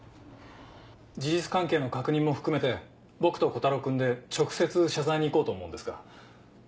事実関係の確認も含めて僕と鼓太朗君で直接謝罪に行こうと思うんですが。